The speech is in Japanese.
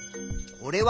これは？